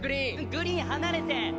グリーン離れて。